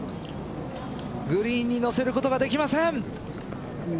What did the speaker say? グリーンにのせることができません。